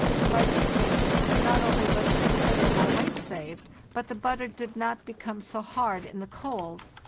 By this means not only was considerable weight saved, but the butter did not become so hard in the cold.